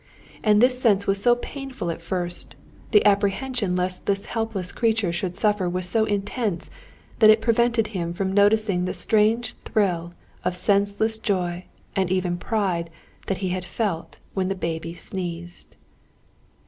And this sense was so painful at first, the apprehension lest this helpless creature should suffer was so intense, that it prevented him from noticing the strange thrill of senseless joy and even pride that he had felt when the baby sneezed.